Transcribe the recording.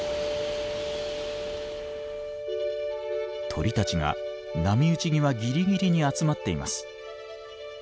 鳥たちが波打ち際ぎりぎりに集まっています。